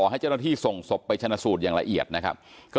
ให้เจ้าหน้าที่ส่งศพไปชนะสูตรอย่างละเอียดนะครับ